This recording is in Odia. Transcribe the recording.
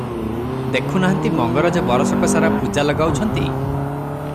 ଦେଖୁ ନାହାନ୍ତି ମଙ୍ଗରାଜ ବରଷକସାରା ପୂଜା ଲଗାଉଛନ୍ତି ।